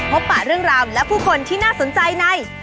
ปะเรื่องราวและผู้คนที่น่าสนใจใน